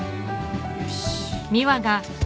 よし。